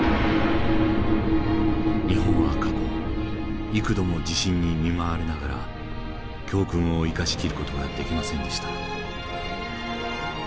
日本は過去幾度も地震に見舞われながら教訓を生かしきる事ができませんでした。